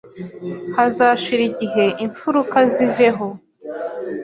hazashira igihe imfuruka ziveho